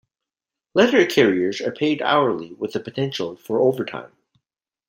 Letter carriers are paid hourly with the potential for overtime.